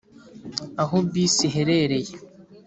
aho bisi iherereye?